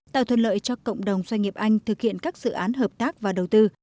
tạo thuận lợi cho cộng đồng doanh nghiệp anh thực hiện các dự án hợp tác và đầu tư